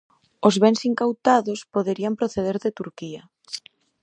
Os bens incautados poderían proceder de Turquía.